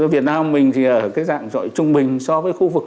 việt nam mình thì ở cái dạng dọi trung bình so với khu vực